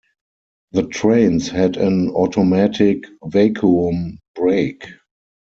The trains had an automatic vacuum brake.